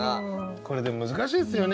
これでも難しいですよね。